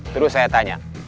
terus saya tanya